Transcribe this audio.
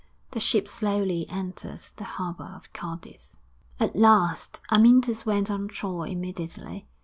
The ship slowly entered the harbour of Cadiz. VIII At last! Amyntas went on shore immediately.